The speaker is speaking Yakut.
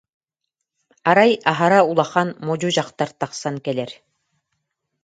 Арай, аһара улахан, модьу дьахтар тахсан кэлэр